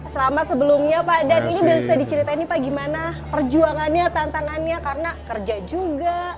selama sebelumnya pak dan ini bisa diceritain nih pak gimana perjuangannya tantangannya karena kerja juga